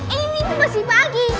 ini masih pagi